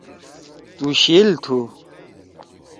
تُو شیل تُھو۔